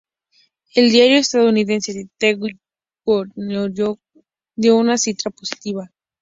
El diario estadounidense "The New York Times" dio una crítica positiva.